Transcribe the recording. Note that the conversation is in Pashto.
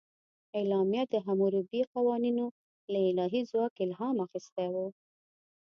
اعلامیه د حموربي قوانینو له الهي ځواک الهام اخیستی و.